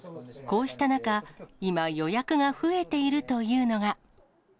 こうした中、今、予約が増えているというのが。